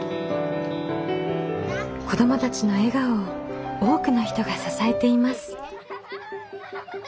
子どもたちの笑顔を多くの人が支えています。